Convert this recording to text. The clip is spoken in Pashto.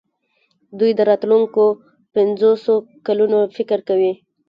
دوی د راتلونکو پنځوسو کلونو فکر کوي.